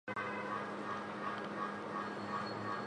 যুক্তরাষ্ট্রে প্রেসিডেন্ট ট্রাম্পের ব্যবসা বাণিজ্যও খুব স্বচ্ছ নয়।